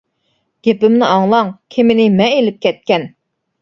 گېپىمنى ئاڭلاڭ، كېمىنى مەن ئېلىپ كەتكەن.